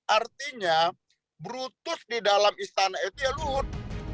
artinya brutus di dalam istana itu ya luhut